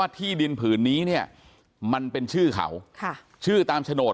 ที่ดินผืนนี้เนี่ยมันเป็นชื่อเขาชื่อตามโฉนด